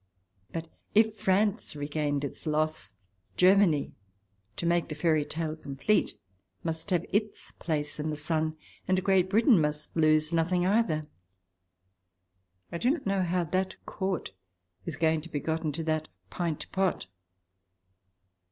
... But, if France regained its loss, Germany, to make the fairy tale complete, must have its place in the sun, and Great Britain must lose nothing either. I do not know how that quart is going to be got into that pint pot.